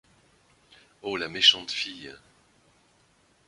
Ô la méchante fille!